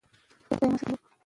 حیا پرون شعر خپور کړ.